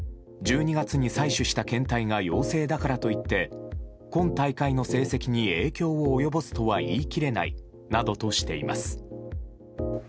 １２月に採取した検体が陽性だからといって今大会の成績に影響を及ぼすとは言い切れないなどとしています。